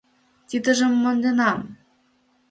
Тидыжым монденам.